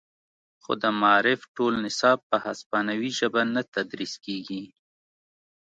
خو د معارف ټول نصاب په هسپانوي ژبه نه تدریس کیږي